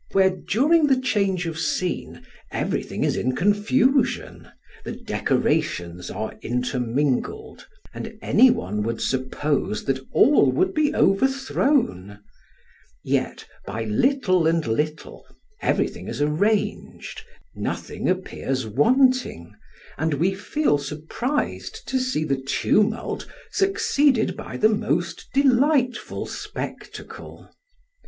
where during the change of scene everything is in confusion, the decorations are intermingled, and any one would suppose that all would be overthrown; yet by little and little, everything is arranged, nothing appears wanting, and we feel surprised to see the tumult succeeded by the most delightful spectacle.